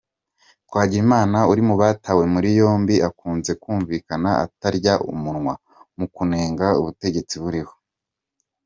Twagirimana uri mu batawe muri yombi akunze kumvikana atarya umunwa mu kunenga ubutegetsi buriho.